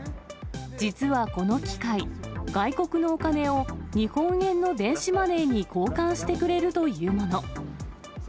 実はこの機械、外国のお金を日本円の電子マネーに交換してくれるというもの。